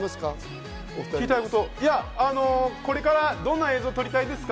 これからどんな映像を撮りたいですか？